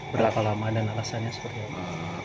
berapa lama dan alasannya seperti apa